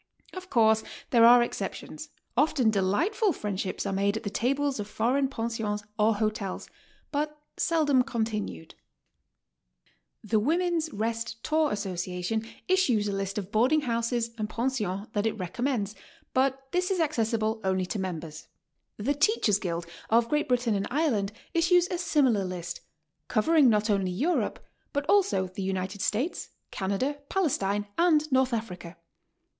Of course, there are exceptions; often delightful friendships are made at the tables of foreign pensions or hotels, but seldom continued. The Women's Rest Tour Association issues a list of boarding houses and pensions that it recommends, but this is HOW TO STAY. 143 accessible only to members. The Teachers' Guild of Great Britain and Ireland issues a similar list, covering not only Europe, but also the United States, Canada, Palestine and North Africa.